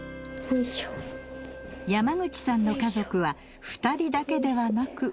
山口さんの家族は２人だけではなく。